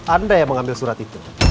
anda yang mengambil surat itu